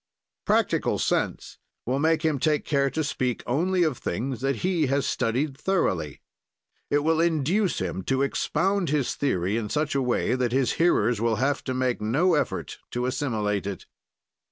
"Practical sense will make him take care to speak only of things that he has studied thoroughly. "It will induce him to expound his theory in such a way that his hearers will have to make no effort to assimilate it.